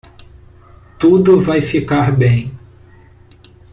Tudo vai ficar bem.